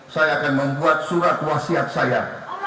saya akan membuat surat wasiat saya